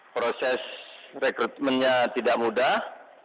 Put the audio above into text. proses rekrutmennya tidak mudah